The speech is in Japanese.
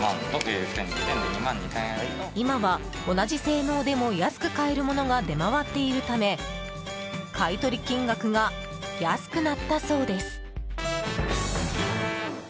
今は同じ性能でも安く買えるものが出回っているため買い取り金額が安くなったそうです。